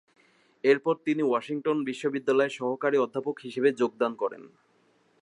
এরপর তিনি ওয়াশিংটন বিশ্ববিদ্যালয়ে সহকারী অধ্যাপক হিসেবে যোগদান করেন।